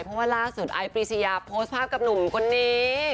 เพราะว่าล่าสุดไอซรีชยาโพสต์ภาพกับหนุ่มคนนี้